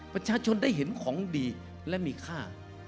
ประชาชนได้เห็นของดีและมีค่า